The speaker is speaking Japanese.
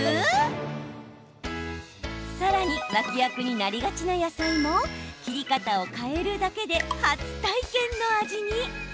さらに脇役になりがちな野菜も切り方を変えるだけで初体験の味に。